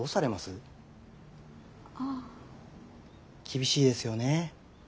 厳しいですよね。